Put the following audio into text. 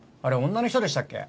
女の人でしたっけ？